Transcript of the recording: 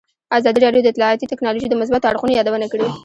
ازادي راډیو د اطلاعاتی تکنالوژي د مثبتو اړخونو یادونه کړې.